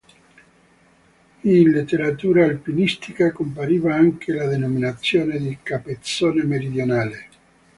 In letteratura alpinistica compariva anche la denominazione di "Capezzone Meridionale".